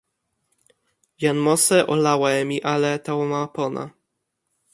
jan Mose o lawa e mi ale tawa ma pona.